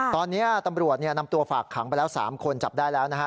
ตอนนี้ตำรวจนำตัวฝากขังไปแล้ว๓คนจับได้แล้วนะฮะ